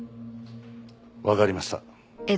わかりました。